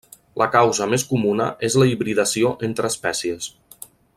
La causa més comuna és la hibridació entre espècies.